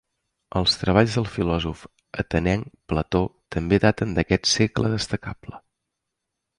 Els treballs del filòsof atenenc Plató també daten d'aquest segle destacable.